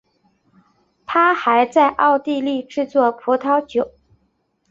他还在奥地利制作葡萄酒。